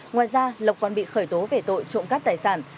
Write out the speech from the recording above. ngoài ra lộc còn bị khởi tố về tội trộm cắp tài sản